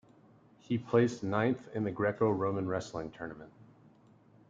He placed ninth in the Greco-Roman wrestling tournament.